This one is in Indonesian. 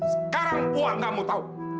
sekarang buat kamu tau